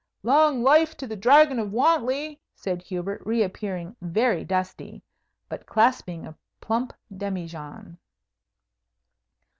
"Long life to the Dragon of Wantley!" said Hubert, reappearing, very dusty, but clasping a plump demijohn.